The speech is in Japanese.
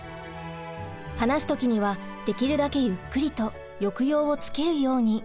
話す時にはできるだけゆっくりと抑揚をつけるように。